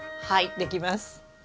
はいできます。